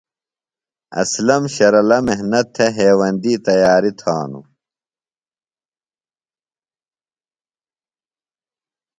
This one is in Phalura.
اسلم شرلہ محنت تھےۡ ہیوندی تیاری تھانو۔